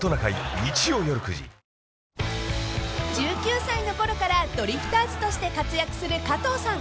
［１９歳の頃からドリフターズとして活躍する加藤さん］